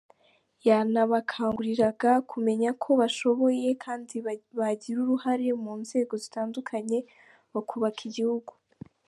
Yanabakanguriraga kumenya ko bashoboye kandi bagira uruhare mu nzego zitandukanye bakubaka igihugu.